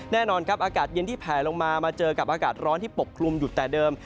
แน่นอนครับอากาศเย็นที่แผลลงมามาเจอกับอากาศร้อนที่ปกคลุมอยู่แต่เดิม